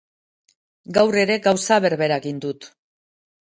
Gaur ere gauza berbera egin dut.